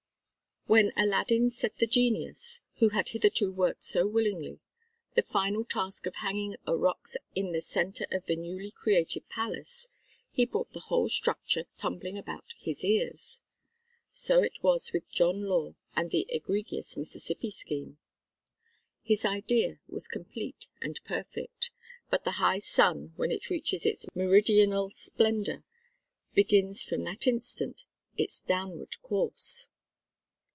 When Aladdin set the Genius, who had hitherto worked so willingly, the final task of hanging a roc's egg in the centre of the newly created palace, he brought the whole structure tumbling about his ears. So it was with John Law and the egregious Mississippi Scheme. His idea was complete and perfect. But the high sun when it reaches its meridianal splendour begins from that instant its downward course.